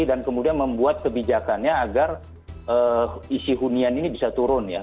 dan kemudian membuat kebijakannya agar isi hunian ini bisa turun ya